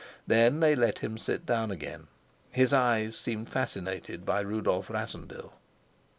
Then they let him sit down again. His eyes seemed fascinated by Rudolf Rassendyll.